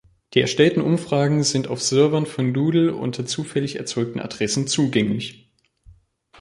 Die erstellten Umfragen sind auf Servern von Doodle unter zufällig erzeugten Adressen zugänglich.